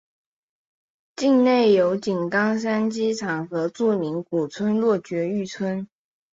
境内有井冈山机场和著名古村落爵誉村。